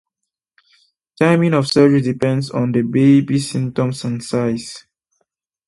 Timing of surgery depends on the baby's symptoms and size.